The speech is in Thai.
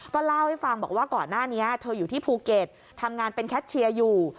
เล่าให้ฟังบอกว่าก่อนหน้านี้เธออยู่ที่ภูเก็ตทำงานเป็นแคทเชียร์อยู่